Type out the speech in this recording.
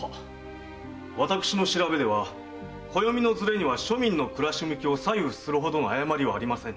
私の調べでは暦のズレには庶民の暮らし向きを左右するほどの誤りはありません。